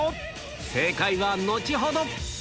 正解は後ほど。